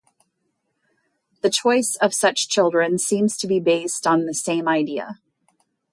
The choice of such children seems to be based on the same idea.